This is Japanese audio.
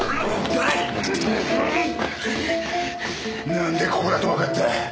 なんでここだとわかった？